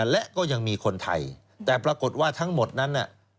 และก็ยังมีคนไทยแต่ปรากฏว่าทั้งหมดนั้น